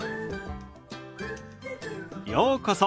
ようこそ。